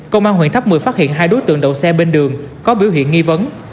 công an huyện tháp một mươi phát hiện hai đối tượng đậu xe bên đường có biểu hiện nghi vấn